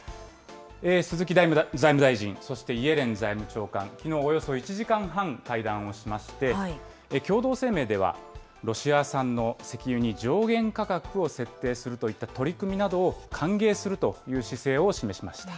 鈴木財務大臣、そしてイエレン財務長官、きのう、およそ１時間半、会談をしまして、共同声明では、ロシア産の石油に上限価格を設定するといった取り組みなどを歓迎するという姿勢を示しました。